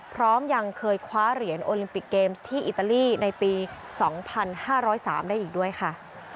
พร้อมยังเคยคว้าเหรียญโอลิมปิกเกมส์ที่อิตาลีในปี๒๕๐๓ได้อีกด้วยค่ะ